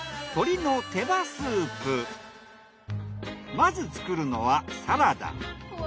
まず作るのはサラダ。